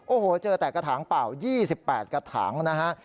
โอ้โหเจอแต่กระถางเปล่า๒๘กระถางนะฮะ